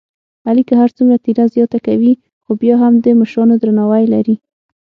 علی که هرڅومره تېره زیاته کوي، خوبیا هم د مشرانو درناوی لري.